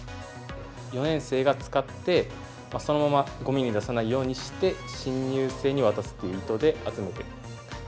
４年生が使って、そのままごみに出さないようにして、新入生に渡すっていう意図で集めてます。